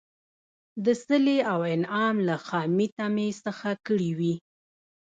د صلې او انعام له خامي طمعي څخه کړي وي.